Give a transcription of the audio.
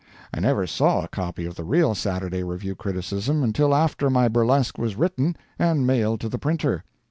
I never saw a copy of the real "Saturday Review" criticism until after my burlesque was written and mailed to the printer.